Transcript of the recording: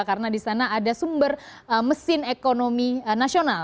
karena disana ada sumber mesin ekonomi nasional